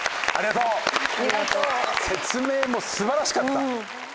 説明も素晴らしかった！